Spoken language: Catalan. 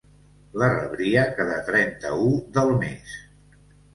La rebria cada trenta-u del mes.